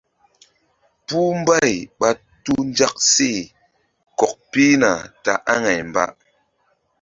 Puh mbay ɓa tu nzak she kɔk pihna ta aŋay mba.